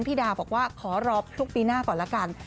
พี่ดาบอกว่าขอรอทุกปีหน้าก่อนละกัน